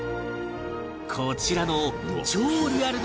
こちらの